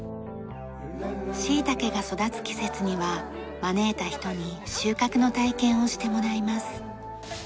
シイタケが育つ季節には招いた人に収穫の体験をしてもらいます。